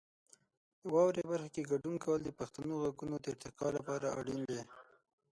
واورئ برخه کې ګډون کول د پښتو غږونو د ارتقا لپاره اړین دی.